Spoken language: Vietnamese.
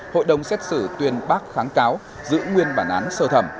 hội đồng xét xử tuyên bác kháng cáo giữ nguyên bản án sơ thẩm